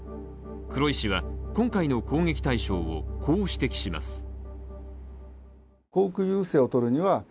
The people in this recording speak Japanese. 黒井氏は、今回の攻撃対象をこう指摘します。